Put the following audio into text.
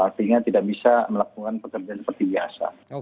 artinya tidak bisa melakukan pekerjaan seperti biasa